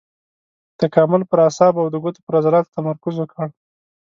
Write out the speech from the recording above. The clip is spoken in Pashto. تکامل پر اعصابو او د ګوتو پر عضلاتو تمرکز وکړ.